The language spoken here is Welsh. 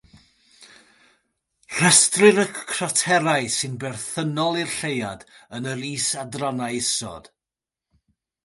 Rhestrir y craterau sy'n berthynol i'r lleuad yn yr is-adrannau isod.